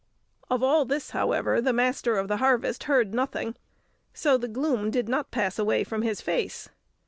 Of all this, however, the Master of the Harvest heard nothing, so the gloom did not pass away from his face.